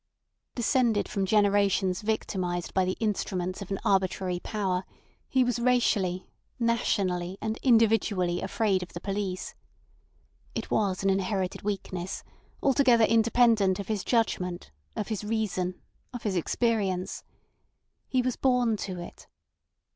Descended from generations victimised by the instruments of an arbitrary power, he was racially, nationally, and individually afraid of the police. It was an inherited weakness, altogether independent of his judgment, of his reason, of his experience. He was born to it.